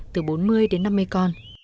từ bốn mươi đến năm mươi con